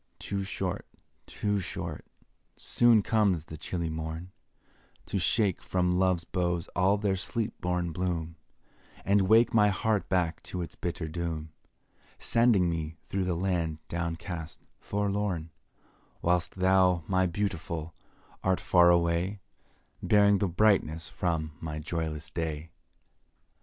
Too short too short soon comes the chilly morn, To shake from love's boughs all their sleep born bloom, And wake my heart back to its bitter doom, Sending me through the land down cast, forlorn, Whilst thou, my Beautiful, art far away, Bearing the brightness from my joyless day.